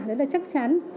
đấy là chắc chắn